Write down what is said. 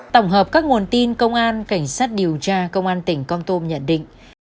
tổng hợp các nguồn tin công an cảnh sát điều tra công an tỉnh con tum nhận định